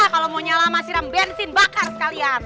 kalau mau nyala masiram bensin bakar sekalian